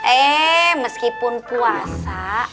eh meskipun puasa